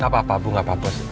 gak apa apa bu gak apa apa